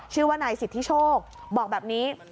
ชื่อว่านายสิทธิโชคบอกแบบนี้